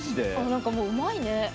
何かもううまいね。